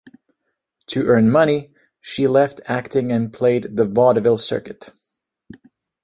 To earn money, she left acting and played the vaudeville circuit.